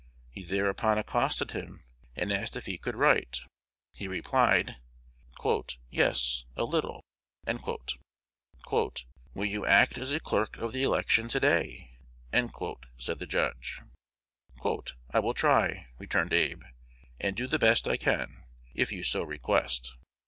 He thereupon accosted him, and asked if he could write. He replied, "Yes, a little." "Will you act as clerk of the election today?" said the judge. "I will try," returned Abe, "and do the best I can, if you so request."